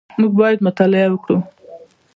موږ باید مطالعه وکړو